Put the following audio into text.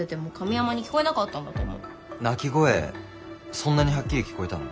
そんなにはっきり聞こえたの？